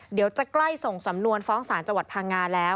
เดี๋ยวจะใกล้ส่งสำนวนฟ้องศาลจังหวัดพังงาแล้ว